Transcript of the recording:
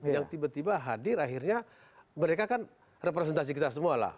yang tiba tiba hadir akhirnya mereka kan representasi kita semua lah